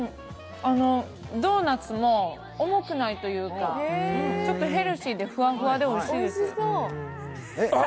ドーナツも重くないというか、ちょっとヘルシーでふわふわでおいしいです。